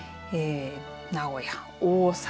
名古屋、大阪